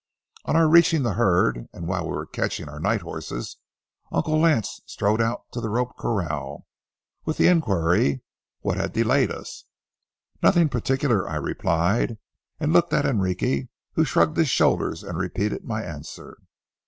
On our reaching the herd and while we were catching our night horses, Uncle Lance strode out to the rope corral, with the inquiry, what had delayed us. "Nothing particular," I replied, and looked at Enrique, who shrugged his shoulders and repeated my answer.